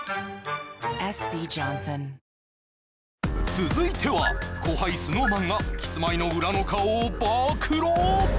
続いては後輩・ＳｎｏｗＭａｎがキスマイの裏の顔を暴露！